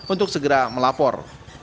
untuk segera melapor